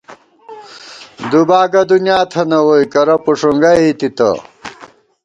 دُوباگہ دُنیا تھنہ ووئی، کرہ پݭُونگئی تِتہ